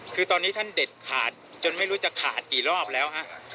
คือตอนนี้ท่านเด็ดขาดจนไม่รู้จะขาดกี่รอบแล้วฮะ